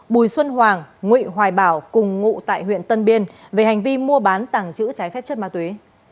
bùi xuân hoàng nguyễn hoài bảo cùng ngụ tại huyện tân biên về hành vi mua bán tàng trữ trái phép chất ma túy